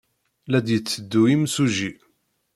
La d-yetteddu yimsujji.